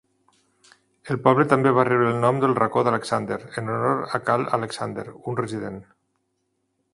El poble també va rebre el nom del Racó d'Alexander, en honor a Cal Alexander, un resident.